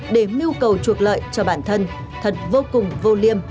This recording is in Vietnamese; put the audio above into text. để mưu cầu chuộc lợi cho bản thân thật vô cùng vô liêm